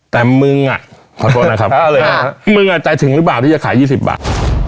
แต่มึงอ่ะขอโทษนะครับมึงอ่ะใจถึงหรือเปล่าที่จะขาย๒๐บาท